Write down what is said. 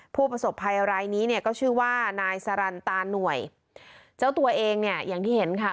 ผู้ประสบภัยรายนี้เนี่ยก็ชื่อว่านายสรรตาหน่วยเจ้าตัวเองเนี่ยอย่างที่เห็นค่ะ